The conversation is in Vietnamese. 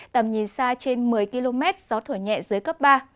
tầm nhìn xa trên một mươi km gió thổi nhẹ dưới cấp ba